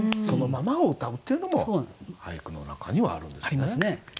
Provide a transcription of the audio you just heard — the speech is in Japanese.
そのままをうたうっていうのも俳句の中にはあるんですね。